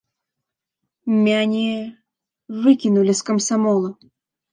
Мяне выкінулі з камсамола.